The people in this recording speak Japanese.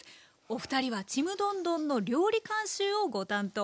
お二人は「ちむどんどん」の料理監修をご担当。